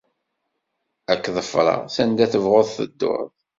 Ad k-ḍefreɣ, sanda tebɣud teddud.